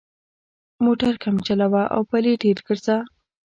موټر کم چلوه او پلي ډېر ګرځه.